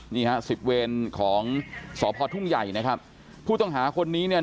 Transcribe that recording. นี่ฮะสิบเวรของสพทุ่งใหญ่นะครับผู้ต้องหาคนนี้เนี่ย